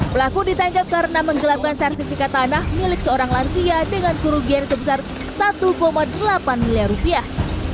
pelaku ditangkap karena menggelapkan sertifikat tanah milik seorang lansia dengan kerugian sebesar satu delapan miliar rupiah